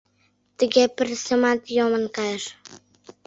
Тыге пырысемат йомын кайыш.